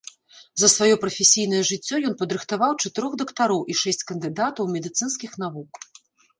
За сваё прафесійнае жыццё ён падрыхтаваў чатырох дактароў і шэсць кандыдатаў медыцынскіх навук.